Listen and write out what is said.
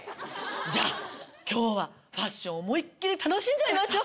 じゃあ今日はファッション思い切り楽しんじゃいましょう。